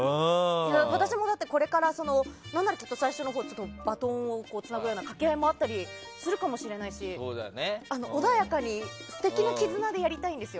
私もこれから何なら最初のほうバトンをつなぐような掛け合いもあったりするかもしれないし穏やかに素敵な絆でやりたいんですよ。